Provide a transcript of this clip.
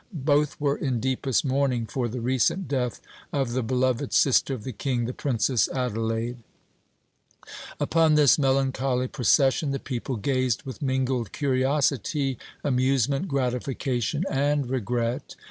Both were in deepest mourning for the recent death of the beloved sister of the King, the Princess Adelaide. Upon this melancholy procession the people gazed with mingled curiosity, amusement, gratification and regret.